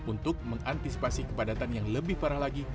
untuk mengantisipasi kepadatan yang lebih parah lagi